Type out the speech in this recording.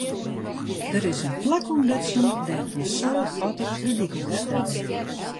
Der is in plak ûntdutsen dêr't in soad otters de dyk oerstekke.